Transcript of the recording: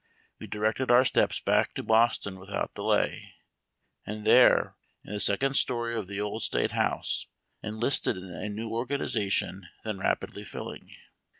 we directed our steps back to Boston without delay, and there, in the second story of the Old State House, enlisted in a new organization then rapidly filling.